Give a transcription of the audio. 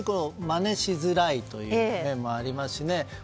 まねしづらいという面もありますしね。